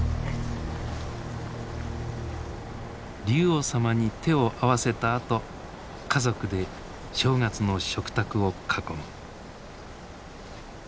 龍王様に手を合わせたあと家族で正月の食卓を囲む。